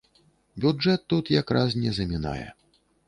Бюджэт тут як раз не замінае.